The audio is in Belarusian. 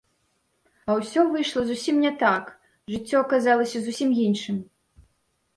А ўсё выйшла зусім не так, жыццё аказалася зусім іншым.